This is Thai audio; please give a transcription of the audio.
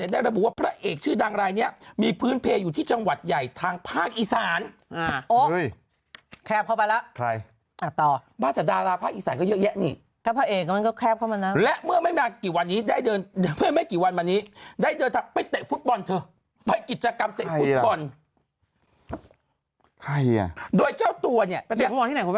ใครอ่ะโดยเจ้าตัวเนี้ยไปเตะฟุตบอลที่ไหนคุณแม่เขาบอกไหมไม่เขาไม่ได้บอก